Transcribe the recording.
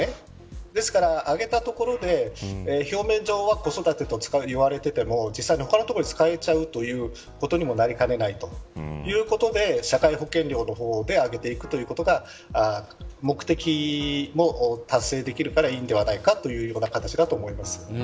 ですから、上げたところで表面上は子育てと言われていても実際は他の所で使われることにもなりかねないということで社会保険料の方で上げていくということが目的も達成できるのでいいのではないかという形だと思います。